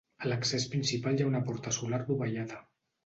A l'accés principal hi ha una porta solar dovellada.